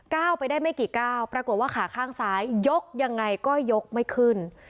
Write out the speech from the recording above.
ไปได้ไม่กี่ก้าวปรากฏว่าขาข้างซ้ายยกยังไงก็ยกไม่ขึ้น